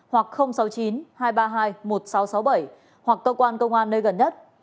hoặc sáu mươi chín hai trăm ba mươi hai một nghìn sáu trăm sáu mươi bảy hoặc cơ quan công an nơi gần nhất